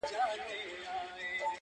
که دي هوس دئ، نو دي بس دئ.